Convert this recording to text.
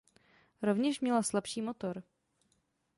Rovněž měla slabší motor.